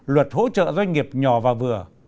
luật hỗ trợ doanh nghiệp nhỏ và vừa